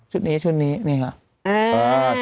ชุดนี้นี่เหรอ